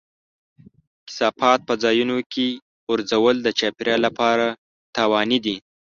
کثافات په ځایونو کې غورځول د چاپېریال لپاره زیانمن دي.